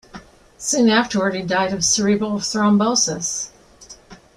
Soon afterward he died of cerebral thrombosis.